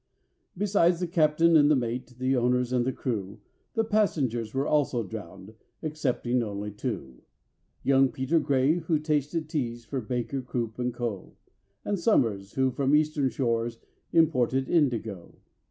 Besides the captain and the mate, the owners and the crew, The passengers were also drowned excepting only two: Young PETER GRAY, who tasted teas for BAKER, CROOP, AND CO., And SOMERS, who from Eastern shores imported indigo.